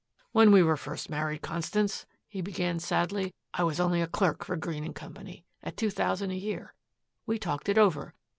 "When we were first married, Constance," he began sadly, "I was only a clerk for Green & Co., at two thousand a year. We talked it over.